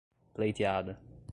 pleiteada